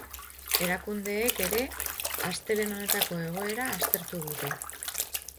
Erakundeek ere astelehen honetako egoera aztertu dute.